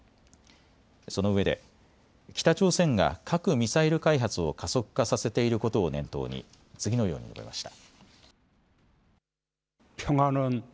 そのうえで北朝鮮が核・ミサイル開発を加速化させていることを念頭に次のように述べました。